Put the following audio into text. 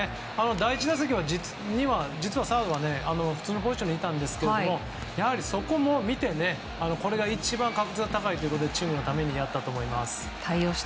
第１打席には実はサードは普通のポジションにいたんですけどそこも見て一番確率が高いということでチームのためにやったと。